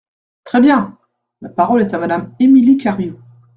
Très bien ! La parole est à Madame Émilie Cariou.